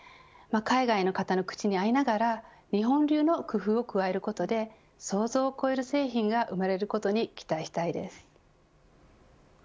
海外の方の口に合いながら日本流の工夫を加えることで想像を超える製品が生まれることに期待したいです。